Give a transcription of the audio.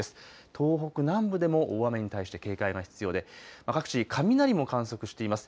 東北南部でも大雨に対して警戒が必要で各地、雷も観測しています。